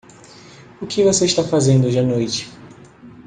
o que você está fazendo hoje à noite?